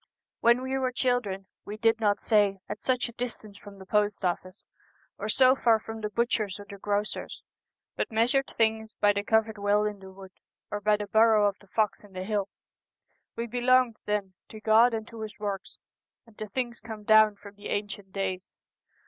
When we were children we did not say at such a distance from the post office, or so far from the butcher's or the grocer's, but measured things by the covered well in the wood, or by the burrow of the fox in the hill. We belonged then to God and to His works, and to things come down from the ancient days.